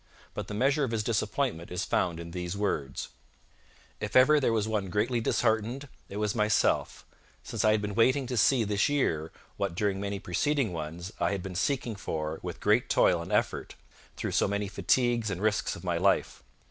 But the measure of his disappointment is found in these words: If ever there was one greatly disheartened, it was myself, since I had been waiting to see this year what during many preceding ones I had been seeking for with great toil and effort, through so many fatigues and risks of my life.